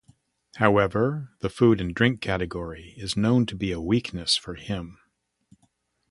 However, the Food and Drink category is known to be a weakness for him.